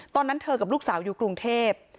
ตอนนั้นเธอกับลูกสาวอยู่กรุงเทพ